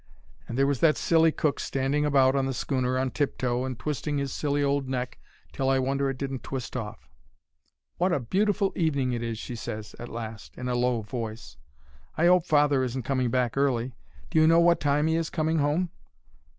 And there was that silly cook standing about on the schooner on tip toe and twisting his silly old neck till I wonder it didn't twist off. "'Wot a beautiful evening it is!' she ses, at last, in a low voice. 'I 'ope father isn't coming back early. Do you know wot time he is coming home?'